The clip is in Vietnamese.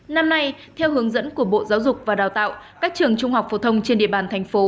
năm nay theo hướng dẫn của bộ giáo dục và đào tạo các trường trung học phổ thông trên địa bàn thành phố